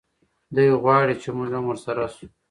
دی غواړي چې موږ هم ورسره شو.